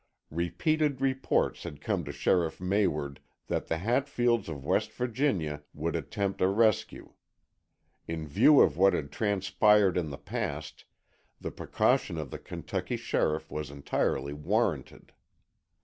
Repeated reports had come to Sheriff Mayward that the Hatfields of West Virginia would attempt a rescue. In view of what had transpired in the past, the precaution of the Kentucky sheriff was entirely warranted.